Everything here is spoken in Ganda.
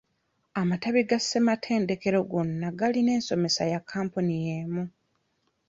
Amatabi ga ssematendekero gonna galina ensomesa ya kampuni yemu.